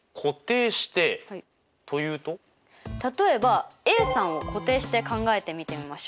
例えばＡさんを固定して考えて見てみましょう。